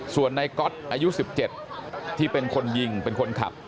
ส่วนนายก๊อตอายุสิบเจ็ดที่เป็นคนยิงเป็นคนขับ